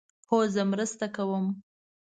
هو، زه مرسته کوم